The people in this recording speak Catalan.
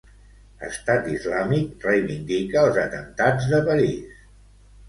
Estat Islàmic reivindica els atemptats de París.